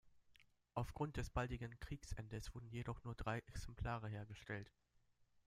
Aufgrund des baldigen Kriegsendes wurden jedoch nur drei Exemplare hergestellt.